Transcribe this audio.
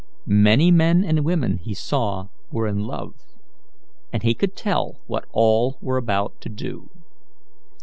Many men and women he saw were in love, and he could tell what all were about to do.